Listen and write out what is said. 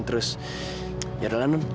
terus yaudahlah non